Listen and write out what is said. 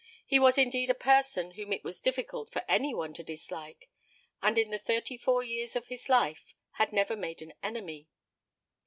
He was indeed a person whom it was difficult for any one to dislike, and in the thirty four years of his life had never made an enemy.